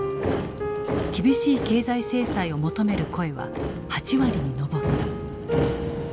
厳しい経済制裁を求める声は８割に上った。